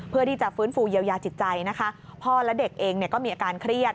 เพื่อที่จะฟื้นฟูเยียวยาจิตใจนะคะพ่อและเด็กเองเนี่ยก็มีอาการเครียด